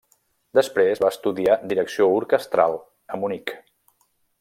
Després va estudiar direcció orquestral a Munic.